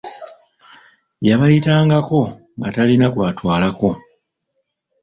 Yabayitanganko nga talina gw'atwalako.